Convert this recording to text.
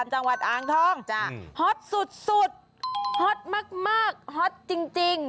ฮอตมากฮอตจริง